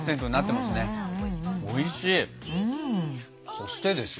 そしてですよ